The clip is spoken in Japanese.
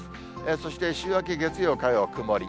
そして週明け月曜、火曜、曇り。